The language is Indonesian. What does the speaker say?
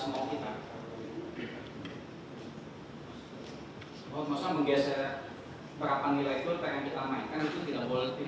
maksudnya menggeser berapa nilai itu yang ingin kita mainkan itu tidak boleh